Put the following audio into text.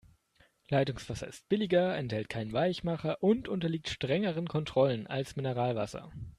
Leitungswasser ist billiger, enthält keinen Weichmacher und unterliegt strengeren Kontrollen als Mineralwasser.